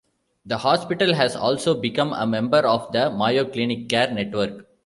The hospital has also become a member of the Mayo Clinic Care Network.